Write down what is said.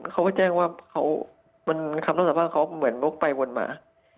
เขาก็แจ้งว่าคำรับสารภาพเขาเหมือนวกไปวนมา